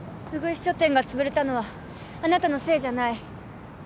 ウグイス書店がつぶれたのはあなたのせいじゃない。